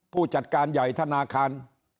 ผู้จัดการใหญ่ธนาคาร